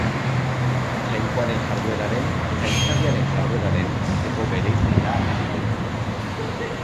Jainkoaren jardueraren eta izadiaren jardueraren arteko bereizketa egiten zuen.